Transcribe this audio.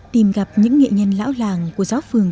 tìm gặp những nghệ nhân lão làng của giáo phương